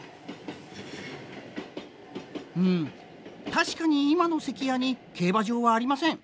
確かに今の関屋に競馬場はありません。